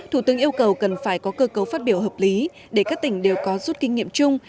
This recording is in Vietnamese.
thủ tướng yêu cầu cần phải có cơ cấu phát biểu hợp lý để các tỉnh đều có rút kinh nghiệm chung